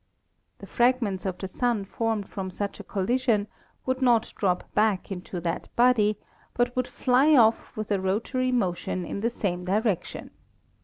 The fragments of the Sun formed from such a collision would not drop back into that body, but would fly off with a rotary motion in the same direction.